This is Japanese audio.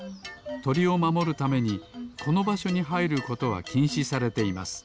とりをまもるためにこのばしょにはいることはきんしされています。